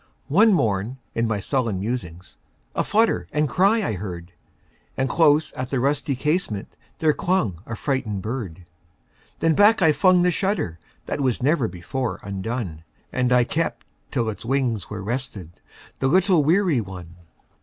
One morn, in my sullen musings,A flutter and cry I heard; And close at the rusty casementThere clung a frightened bird. Then back I flung the shutterThat was never before undone, And I kept till its wings were restedThe little weary one.